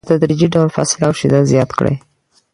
په تدریجي ډول فاصله او شدت زیات کړئ.